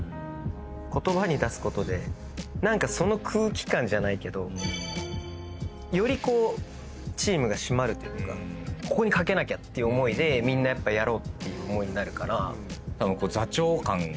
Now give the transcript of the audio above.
言葉に出すことで何かその空気感じゃないけどよりチームが締まるというかここに懸けなきゃっていう思いでみんなやろうってなるから。